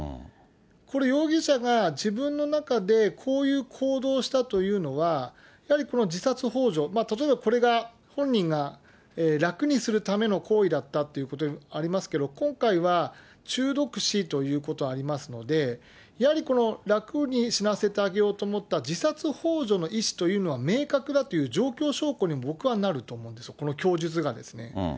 これ、容疑者が自分の中でこういう行動をしたというのは、やはりこの自殺ほう助、例えばこれが、本人が楽にするための行為だったというところありますけれども、今回は中毒死ということ、ありますので、やはり楽に死なせてあげようと思った自殺ほう助の意思というのは明確だという状況証拠に僕はなると思うんですよ、この供述がですね。